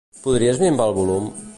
Podries minvar el volum?